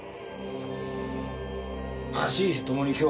足ともに強。